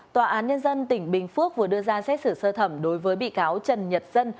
tòa án nhân dân tỉnh bình phước vừa đưa ra xét xử sơ thẩm đối với bị cáo trần nhật dân